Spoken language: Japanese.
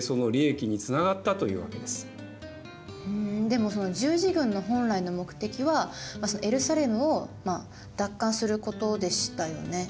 でもその十字軍の本来の目的はエルサレムを奪還することでしたよね。